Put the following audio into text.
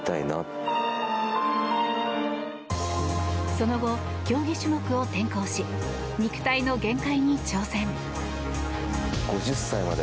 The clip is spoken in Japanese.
その後、競技種目を転向し肉体の限界に挑戦。